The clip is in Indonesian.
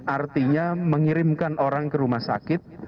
artinya mengirimkan orang ke rumah sakit